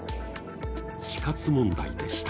死活問題でした。